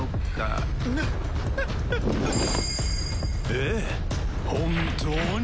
ええ本当に！